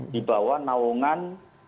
di bawah naungan